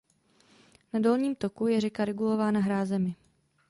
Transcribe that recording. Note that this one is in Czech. Na dolním toku je řeka regulována hrázemi.